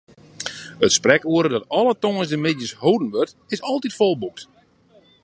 It sprekoere, dat alle tongersdeitemiddeis holden wurdt, is altyd folboekt.